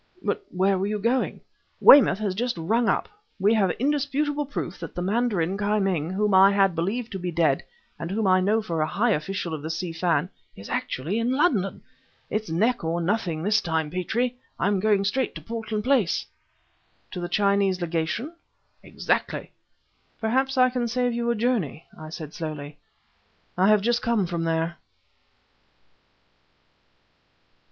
"But where were you going?" "Weymouth has just rung up. We have indisputable proof that the mandarin Ki Ming, whom I had believed to be dead, and whom I know for a high official of the Si Fan, is actually in London! It's neck or nothing this time, Petrie! I'm going straight to Portland Place!" "To the Chinese Legation?" "Exactly!" "Perhaps I can save you a journey," I said slowly. "I have just come from there!"